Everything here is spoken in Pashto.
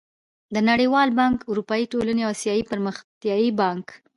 د نړېوال بانک، اروپايي ټولنې او اسيايي پرمختيايي بانک